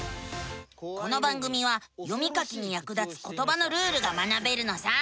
この番組は読み書きにやく立つことばのルールが学べるのさ。